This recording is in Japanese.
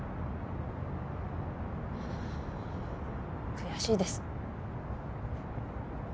悔しいです